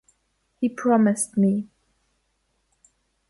He promised me.